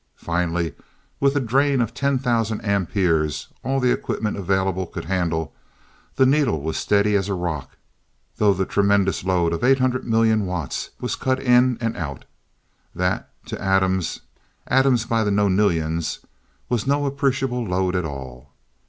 Finally, with a drain of ten thousand amperes, all the equipment available could handle, the needle was steady as a rock, though the tremendous load of 800,000,000 watts was cut in and out. That, to atoms, atoms by the nonillions, was no appreciable load at all.